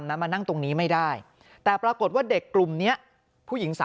มานั่งตรงนี้ไม่ได้แต่ปรากฏว่าเด็กกลุ่มนี้ผู้หญิง๓